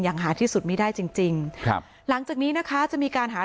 หาที่สุดไม่ได้จริงจริงครับหลังจากนี้นะคะจะมีการหา